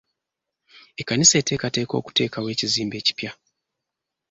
Ekkanisa eteekateeka okuteekawo kizimbe ekipya.